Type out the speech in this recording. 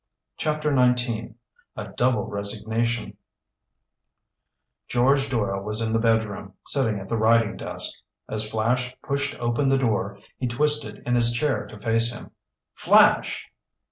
CHAPTER XIX A DOUBLE RESIGNATION George Doyle was in the bedroom, sitting at the writing desk. As Flash pushed open the door, he twisted in his chair to face him. "Flash!"